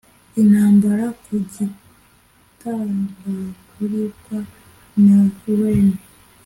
'intambara ku gitagangurirwa na wren!